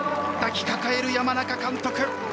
抱きかかえる山中監督。